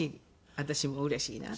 私もうれしいなって。